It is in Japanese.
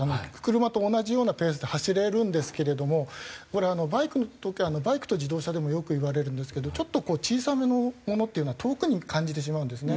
車と同じようなペースで走れるんですけれどもこれバイクの時バイクと自動車でもよくいわれるんですけどちょっとこう小さめのものっていうのは遠くに感じてしまうんですね。